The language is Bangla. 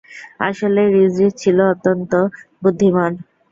আসলে, রিজ রিজ ছিলো অত্যন্ত বুদ্ধিমান।